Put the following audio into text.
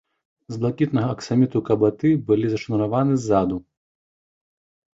З блакітнага аксаміту кабаты былі зашнураваны ззаду.